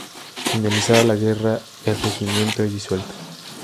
Finalizada la guerra, el Regimiento es disuelto.